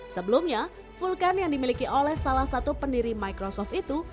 sebelumnya vulkan yang dimiliki oleh salah satu pendiri microsoft itu